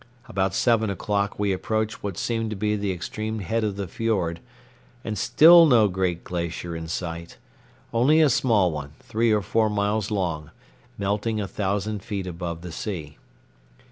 About seven o'clock we approached what seemed to be the extreme head of the fiord, and still no great glacier in sight—only a small one, three or four miles long, melting a thousand feet above the sea.